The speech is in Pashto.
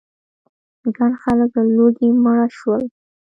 ګڼ خلک له لوږې مړه شول.